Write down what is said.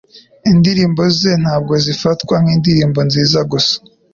Indirimbo ze ntabwo zifatwa nk'indirimbo nziza gusa